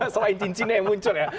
selain cincinnya yang muncul ya